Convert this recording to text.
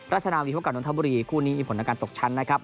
ราชนาวีพบกับนนทบุรีคู่นี้มีผลทางการตกชั้นนะครับ